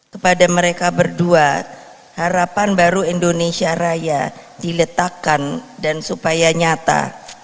kepada mereka berdua harapan baru indonesia raya diletakkan dan supaya nyata